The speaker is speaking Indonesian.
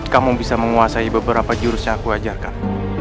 kamu bisa menguasai beberapa jurus yang aku ajarkan